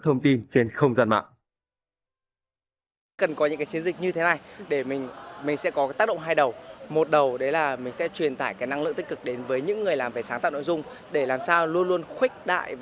thông tin trên không gian mạng